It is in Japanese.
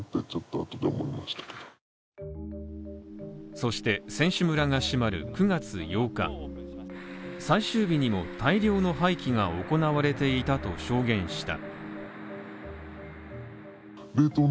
そして、選手村が閉まる９月８日、最終日にも大量の廃棄が行われていたと証言した。